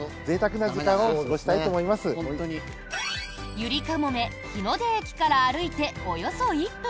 ゆりかもめ日の出駅から歩いておよそ１分。